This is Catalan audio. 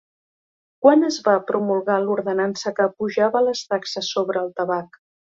Quan es va promulgar l'ordenança que apujava les taxes sobre el tabac?